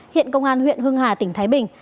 hiện công an huyện hưng hà tỉnh thái bình